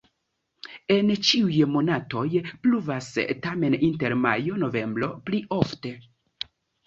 En ĉiuj monatoj pluvas, tamen inter majo-novembro pli ofte.